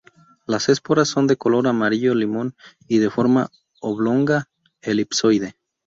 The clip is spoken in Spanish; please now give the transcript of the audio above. Las esporas son de color amarillo-limón, y de forma oblonga-elipsoide.